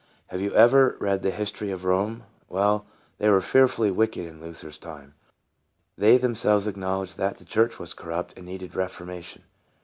Have you ever read the history of Rome ? Well, they were fearfully wicked in Luther's time. They themselves acknowledged that the church was corrupt and needed reformation.